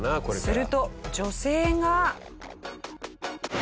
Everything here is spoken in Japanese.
すると女性が。